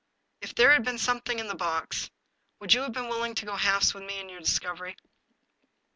If there had been something in the box, would you have been willing to go halves with me in my discovery